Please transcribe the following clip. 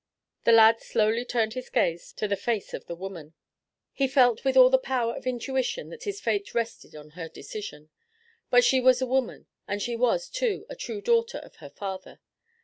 The lad slowly turned his gaze to the face of the woman. He felt with all the power of intuition that his fate rested on her decision. But she was a woman. And she was, too, a true daughter of her father.